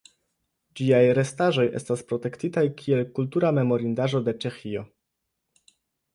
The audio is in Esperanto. Ĝiaj restaĵoj estas protektitaj kiel kultura memorindaĵo de Ĉeĥio.